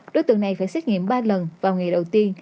đối tượng này phải xét nghiệm ba lần vào ngày đầu tiên